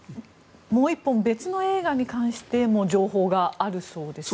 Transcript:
もう１本、別の映画に関しても情報があるそうですね。